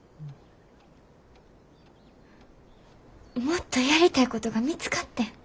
もっとやりたいことが見つかってん。